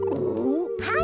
はい。